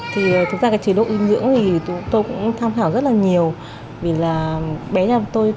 chị phương thị lệ hằng sống tại hà nội